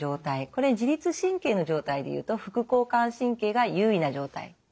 これ自律神経の状態でいうと副交感神経が優位な状態。